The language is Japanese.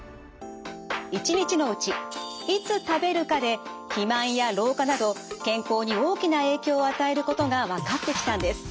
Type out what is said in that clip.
一日のうちいつ食べるかで肥満や老化など健康に大きな影響を与えることが分かってきたんです。